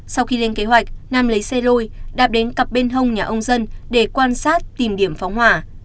sau khi lên kế hoạch nam lấy xe lôi đạp đến cặp bên hông nhà ông dân để quan sát tìm điểm phóng hỏa